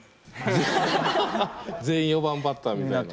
全員４番バッターみたいな。